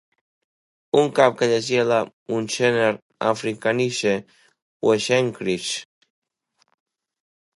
—un cap que llegia la Münchener Afrikanische Wochenschrift!